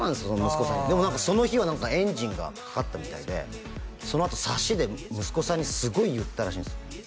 息子さんにでも何かその日はエンジンがかかったみたいでそのあとサシで息子さんにすごい言ったらしいんですよ